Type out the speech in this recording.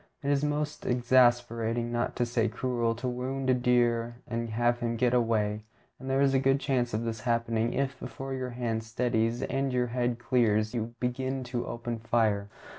It is most exasperating, not to say cruel, to wound a deer and have him get away; and there is a good chance of this happening if, before your hand steadies and your head clears, you begin to open fire.